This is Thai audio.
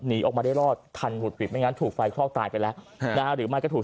ออกมาได้รอดทันหุดหวิดไม่งั้นถูกไฟคลอกตายไปแล้วหรือไม่ก็ถูก